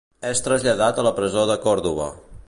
És traslladat a la presó de Còrdova.